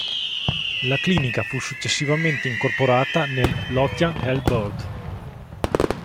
La clinica fu successivamente incorporata nel "Lothian Health Board".